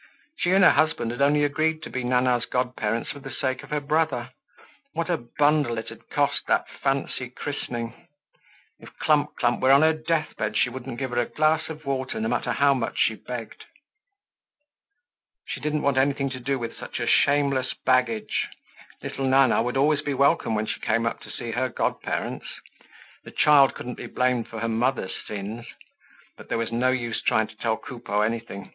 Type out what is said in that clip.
She and her husband had only agreed to be Nana's godparents for the sake of her brother. What a bundle it had cost, that fancy christening. If Clump clump were on her deathbed she wouldn't give her a glass of water, no matter how much she begged. She didn't want anything to do with such a shameless baggage. Little Nana would always be welcome when she came up to see her godparents. The child couldn't be blamed for her mother's sins. But there was no use trying to tell Coupeau anything.